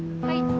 はい！